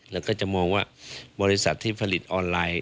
แล้วก็จะมองว่าบริษัทที่ผลิตออนไลน์